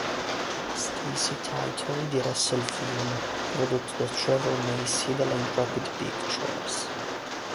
Stacy Title diresse il film, prodotto da Trevor Macy della Intrepid Pictures.